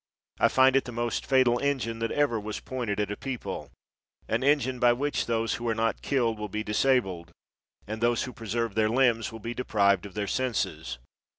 I find it the most fatal engine that ever was pointed at a people; an engine by which those who are not killed will be disabled, and those who preserve their limbs will be deprived of their senses.